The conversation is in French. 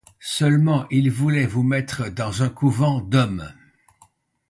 Seulement il voulait vous mettre dans un couvent d'hommes.